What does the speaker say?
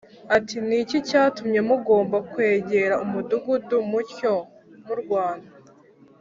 ati ‘Ni iki cyatumye mugomba kwegera umudugudu mutyo murwana?